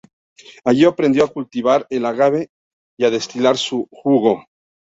Allí aprendió a cultivar el agave y a destilar su jugo.